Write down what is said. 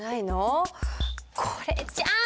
これじゃん。